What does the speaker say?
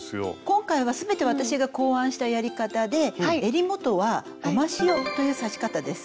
今回は全て私が考案したやり方でえり元は「ゴマシオ」という刺し方です。